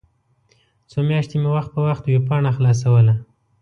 څو میاشتې مې وخت په وخت ویبپاڼه خلاصوله.